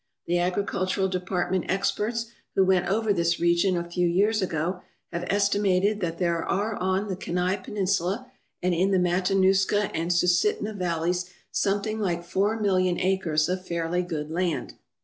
The Agricultural De partment experts who went over this region a few years ago have estimated that there are on the Kenai Peninsula and in the Matanuska and Susitna valleys something like four million acres of fairly good land.